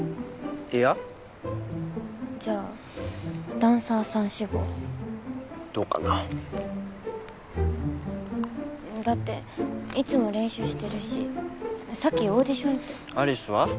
いやじゃあダンサーさん志望どうかなだっていつも練習してるしさっきオーディションって有栖は？